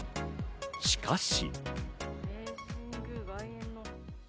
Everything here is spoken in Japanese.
しかし。